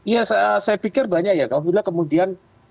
ya saya pikir banyak ya